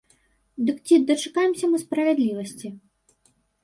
Дык ці дачакаемся мы справядлівасці?